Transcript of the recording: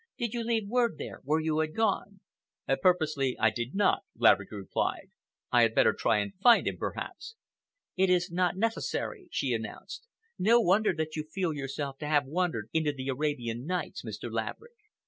"Did you leave word there where you had gone?" "Purposely I did not," Laverick replied. "I had better try and find him, perhaps." "It is not necessary," she announced. "No wonder that you feel yourself to have wandered into the Arabian Nights, Mr. Laverick.